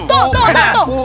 tuh tuh tuh